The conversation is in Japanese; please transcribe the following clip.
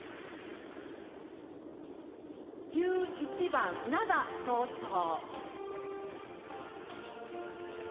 １１番「涙そうそう」。